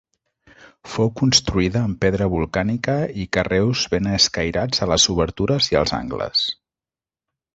Fou construïda amb pedra volcànica i carreus ben escairats a les obertures i els angles.